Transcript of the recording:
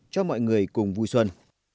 cho mọi người cùng vui xuân